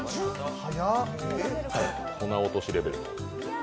粉落としレベルの。